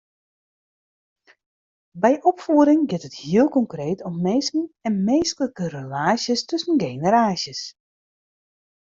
By opfieding giet it heel konkreet om minsken en minsklike relaasjes tusken generaasjes.